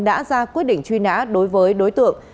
đã ra quyết định truy nã đối với đối tượng